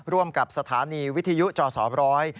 ร่วมกับสถานีวิทยุจสอบร้อย